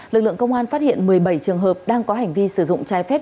lực lượng công an phát hiện một mươi bảy trường hợp đang có hành vi sử dụng trái phép